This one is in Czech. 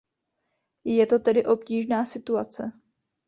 Je to tedy obtížná situace.